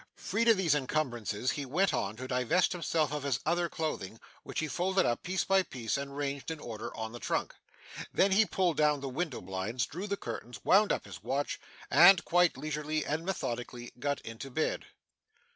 Freed of these encumbrances, he went on to divest himself of his other clothing, which he folded up, piece by piece, and ranged in order on the trunk. Then, he pulled down the window blinds, drew the curtains, wound up his watch, and, quite leisurely and methodically, got into bed.